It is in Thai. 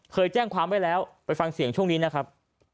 เคยแจ้งความไว้แล้วไปฟังเสียงช่วงนี้นะครับ